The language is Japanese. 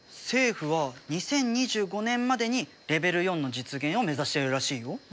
政府は２０２５年までにレベル４の実現を目指してるらしいよ。